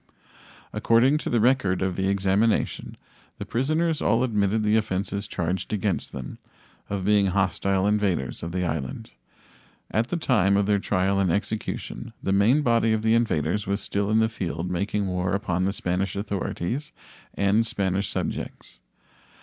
According to the record of the examination, the prisoners all admitted the offenses charged against them, of being hostile invaders of the island. At the time of their trial and execution the main body of the invaders was still in the field making war upon the Spanish authorities and Spanish subjects.